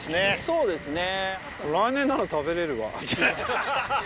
そうですね。